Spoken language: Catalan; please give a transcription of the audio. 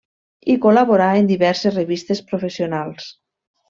I col·laborà en diverses revistes professionals.